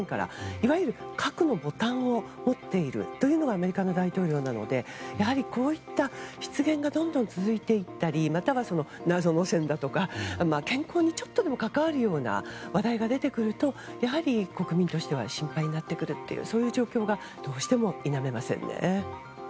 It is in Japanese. いわゆる核のボタンを持っているのがアメリカの大統領なのでやはりこういった失言がどんどん続いていったりまたは、謎の線だとか健康にちょっとでも関わるような話題が出てくると国民としては心配になるというそういう状況がどうしても否めませんね。